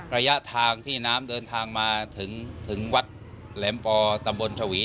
ระยะทางที่น้ำเดินทางมาถึงวัดแหลมปอตำบลชวี